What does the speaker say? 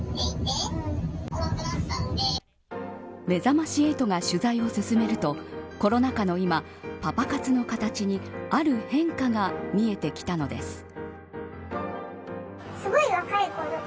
めざまし８が取材を進めるとコロナ禍の今、パパ活の形にある変化が見えてきたのです。